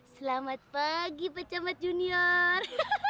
selamat pagi pak camat junior